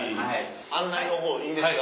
案内の方いいですか？